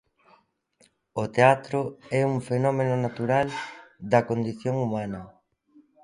O teatro é un fenómeno natural da condición humana.